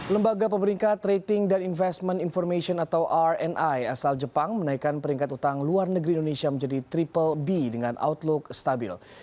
lembaga pemeringkat rating dan investment information atau rni asal jepang menaikkan peringkat utang luar negeri indonesia menjadi triple b dengan outlook stabil